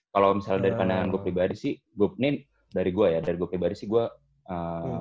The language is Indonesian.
kalau misalnya dari pandangan gue pribadi sih gue penin dari gue ya dari gue pribadi sih gue